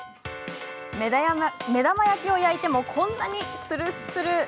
目玉焼きを焼いてもこんなに、するっする。